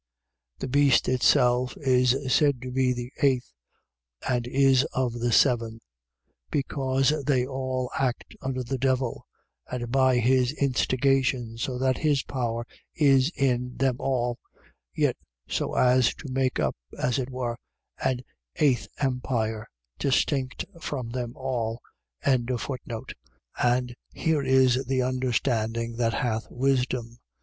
The beast itself is said to be the eighth, and is of the seven; because they all act under the devil, and by his instigation, so that his power is in them all, yet so as to make up, as it were, an eighth empire, distinct from them all. 17:9. And here is the understanding that hath wisdom.